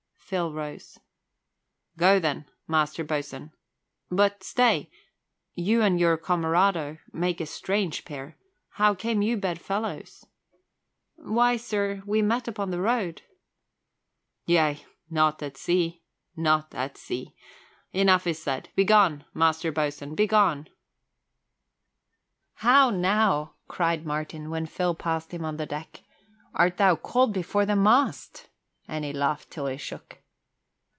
Phil rose. "Go then, Master Boatswain. But stay! You and your comerado make a strange pair. How came you bedfellows?" "Why, sir, we met upon the road " "Yea, not at sea! Not at sea! Enough is said. Begone, Master Boatswain, begone!" "How now," cried Martin when Phil passed him on the deck. "Art thou called before the mast?" And he laughed till he shook.